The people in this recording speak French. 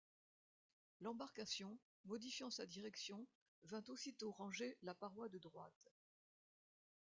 L’embarcation, modifiant sa direction, vint aussitôt ranger la paroi de droite.